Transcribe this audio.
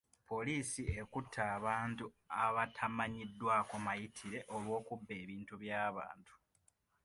Poliisi ekutte abantu abatamanyiddwako mayitire olw'okubba ebintu by'abantu.